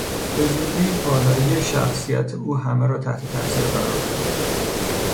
به زودی والایی شخصیت او همه را تحت تاثیر قرار داد.